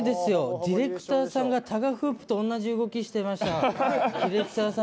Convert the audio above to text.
ディレクターさんがタガフープと同じ動きをしてました。